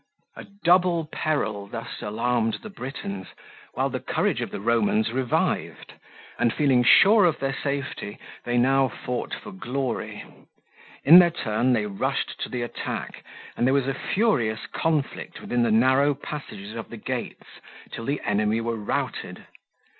A double peril thus alarmed the Britons, while the courage of the Romans revived; and feeling sure of their safety, they now fought for glory. In their turn they rushed to the attack, and there was a furious conflict within the narrow passages of the gates till the enemy were routed.